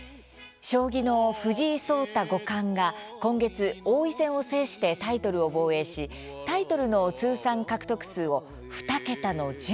将棋の藤井聡太五冠が、今月王位戦を制してタイトルを防衛しタイトルの通算獲得数を２桁の１０に伸ばしました。